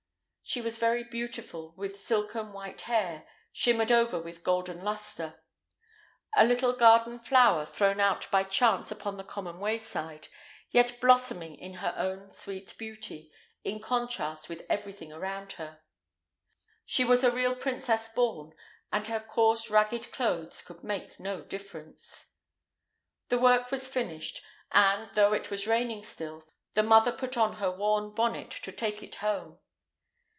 She was very beautiful, with silken white hair, shimmered over with a golden luster. A little garden flower, thrown out by chance upon the common wayside, yet blossoming in her own sweet beauty, in contrast with every thing around her. She was a real princess born, and her coarse, ragged clothes could make no difference. The work was finished, and, though it was raining still, the mother put on her worn bonnet to take it home.